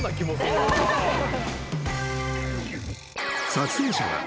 ［撮影者が］